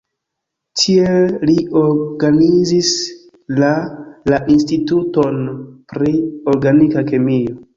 Tie li organizis la la instituton pri organika kemio.